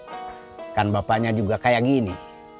gak harus ganteng kan bapaknya juga kayak gini